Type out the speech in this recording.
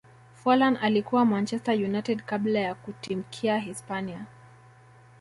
forlan alikuwa manchester united kabla ya kutimkia hispania